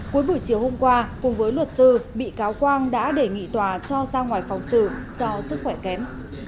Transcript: cuối buổi chiều hôm qua cùng với luật sư bị cáo quang đã đề nghị tòa cho ra ngoài phòng xử do sức khỏe kém